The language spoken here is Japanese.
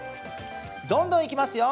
どんどんいきますよ。